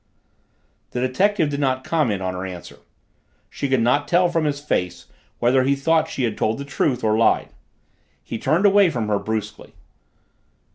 The detective did not comment on her answer. She could not tell from his face whether he thought she had told the truth or lied. He turned away from her brusquely.